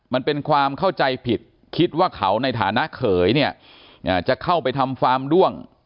มันเป็นความเข้าใจผิดคิดว่าเขาในฐานะเขยเนี่ยจะเข้าไปทำฟาร์มด้วง